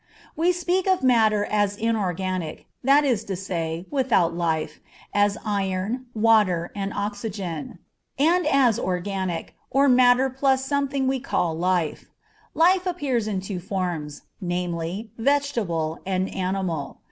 We speak of matter as inorganic that is, without life, as iron, water, oxygen; and as organic, or matter plus something we call life. Life appears in two forms, namely, vegetable and animal.